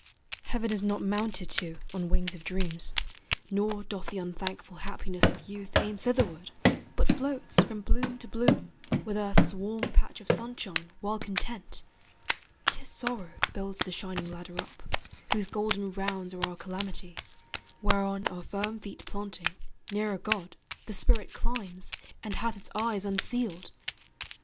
Heaven is not mounted to on wings of dreams, Nor doth the unthankful happiness of youth Aim thitherward, but floats from bloom to bloom, With earth's warm patch of sunshine well content 'Tis sorrow builds the shining ladder up, Whose golden rounds are our calamities, Whereon our firm feet planting, nearer God The spirit climbs, and hath its eyes unsealed.